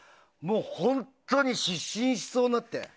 本当に失神しそうになって。